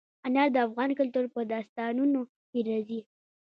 انار د افغان کلتور په داستانونو کې راځي.